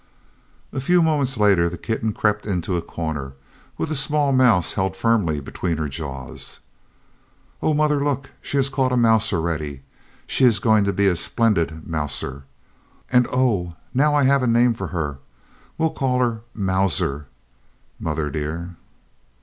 A few moments later the kitten crept into a corner, with a small mouse held firmly between her jaws. "Oh, mother, look, she has caught a mouse already. She is going to be a splendid mouser. And oh, now I have a name for her. We'll call her 'Mauser,' mother dear!"